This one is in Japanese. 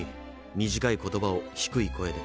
短い言葉を低い声で。